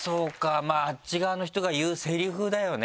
あっち側の人が言うセリフだよね